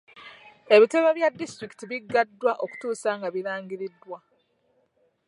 Ebitebe bya disitulikiti biggaddwa okutuusa nga birangiriddwa.